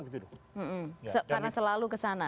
karena selalu kesana